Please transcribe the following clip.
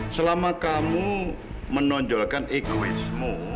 selama kamu menonjolkan egoismu